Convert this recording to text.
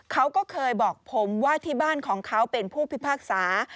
เขาก็เคยบอกผมว่าที่บ้านของเขาเป็นผู้พิพากษา